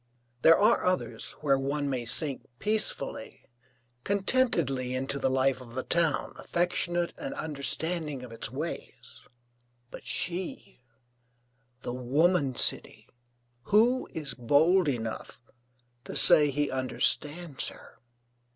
There are others where one may sink peacefully, contentedly into the life of the town, affectionate and understanding of its ways. But she, the woman city, who is bold enough to say he understands her?